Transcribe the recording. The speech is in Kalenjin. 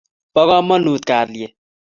po komonut kalyet